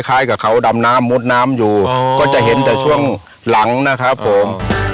คล้ายกับเขาดำน้ำมุดน้ำอยู่ก็จะเห็นแต่ช่วงหลังนะครับผม